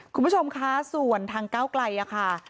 คุณผู้ชมคะส่วนทางก้าวไกลค่ะ